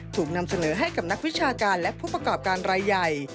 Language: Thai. ถูกนำเสนอให้กับนักวิชาการและผู้ประกอบการรายใหญ่